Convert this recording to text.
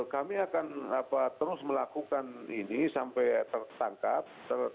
kami akan terus melakukan ini sampai tertangkap